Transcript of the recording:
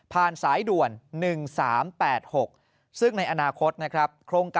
สายด่วน๑๓๘๖ซึ่งในอนาคตนะครับ